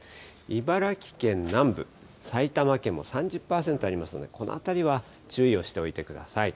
茨城県南部、埼玉県も３０％ありますので、このあたりは注意をしておいてください。